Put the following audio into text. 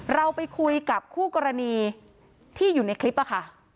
เราไปคุยกับคู่กรณีที่อยู่ในคลิปค่ะ